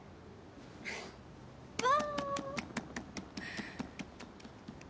わ。